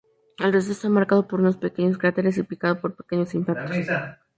El resto está marcado por unos pequeños cráteres y picado por pequeños impactos.